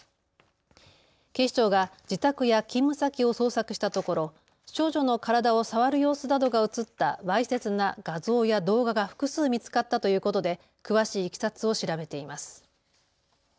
警視庁が自宅や勤務先を捜索したところ少女の体を触る様子などが写ったわいせつな画像や動画が複数、見つかったということで詳しいいきさつを調べています。